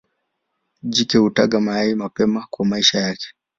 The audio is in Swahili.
Jike hutaga mayai mapema kwa maisha yake.